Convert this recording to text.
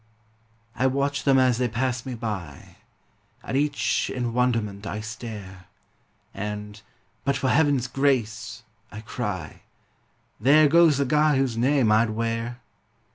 I watch them as they pass me by; At each in wonderment I stare, And, "but for heaven's grace," I cry, "There goes the guy whose name I'd wear!"